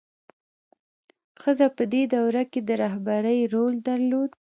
ښځه په دې دوره کې د رهبرۍ رول درلود.